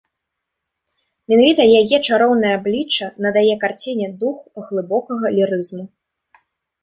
Менавіта яе чароўнае аблічча надае карціне дух глыбокага лірызму.